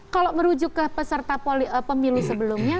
kalau merujuk ke peserta pemilu sebelumnya